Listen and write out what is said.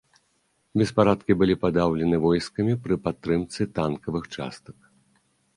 Беспарадкі былі падаўлены войскамі пры падтрымцы танкавых частак.